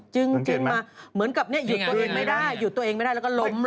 จึ๊งมาเหมือนกับหยุดตัวเองไม่ได้แล้วก็ล้มลงไป